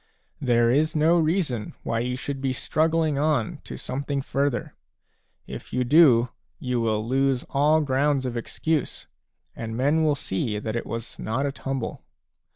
There is no reason why you should be struggling on to some thing further ; if you do, you will lose all grounds of excuse, and men will see that it was not a tumble.